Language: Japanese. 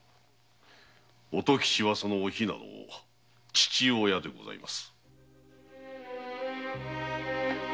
乙吉はその「お比奈」の父親でございます。